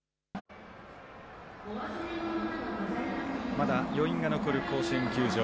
まだ余韻が残る甲子園球場。